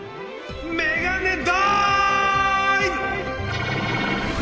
メガネダイブ！